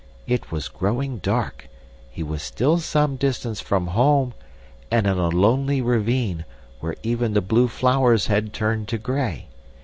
It was growing dark, he was still some distance from home, and in a lonely ravine, where even the blue flowers had turned to gray.